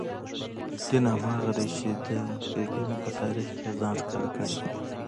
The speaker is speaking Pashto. دین هماغه دی چې د متدینو په تاریخ کې یې ځان ښکاره کړی.